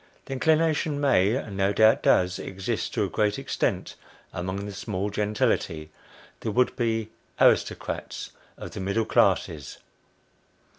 The in clination may, and no doubt does, exist to a great extent, among the small gentility the would be aristocrats of the middle classes.